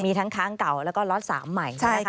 มีทั้งค้างเก่าแล้วก็ล็อต๓ใหม่